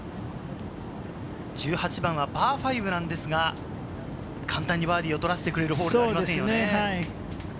１８番はパー５なんですが、簡単にバーディーを取らせてくれるホールではありませんね。